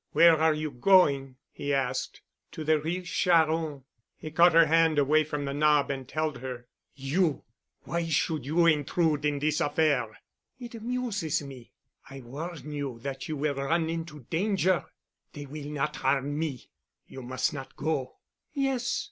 "Where are you going?" he asked. "To the Rue Charron." He caught her hand away from the knob and held her. "You——! Why should you intrude in this affair?" "It amuses me." "I warn you that you will run into danger." "They will not harm me." "You must not go." "Yes.